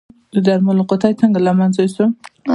د درملو قطۍ څنګه له منځه یوسم؟